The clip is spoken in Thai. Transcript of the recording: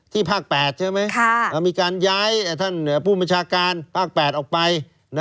ภาค๘ใช่ไหมมีการย้ายท่านผู้บัญชาการภาค๘ออกไป